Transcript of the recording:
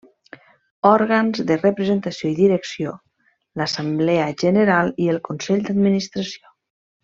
Òrgans de representació i direcció: l'Assemblea General, i el Consell d'Administració.